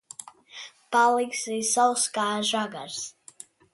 Paliksi sauss kā žagars.